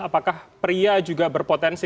apakah pria juga berpotensi